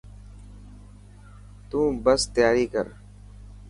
تون بس تياري ڪر.